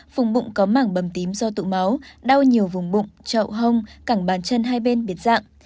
vùng bụng có mảng bầm tím do tụ máu đau nhiều vùng bụng chậu hông cảnh bàn chân hai bên biệt dạng